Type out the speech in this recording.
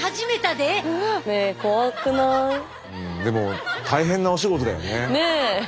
でも大変なお仕事だよね。